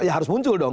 ya harus muncul dong